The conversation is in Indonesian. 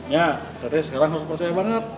ya tapi sekarang harus percaya banget